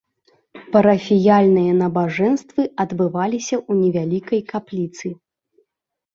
Парафіяльныя набажэнствы адбываліся ў невялікай капліцы.